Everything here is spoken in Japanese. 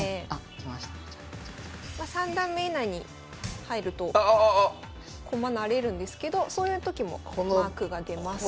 まあ三段目以内に入ると駒成れるんですけどそういうときもマークが出ます。